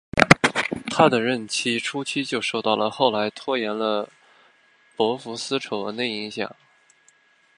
他的任期初期就受到了后来拖延了博福斯丑闻的影响。